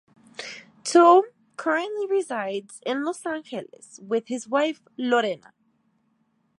Toub currently resides in Los Angeles, with his wife, Lorena.